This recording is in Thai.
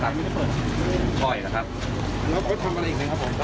ตอนนี้พี่เคยจะทำอะไรอยากจะทำบ้าง